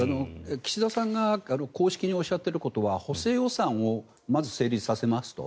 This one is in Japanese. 岸田さんが公式におっしゃっていることは補正予算をまず成立させますと。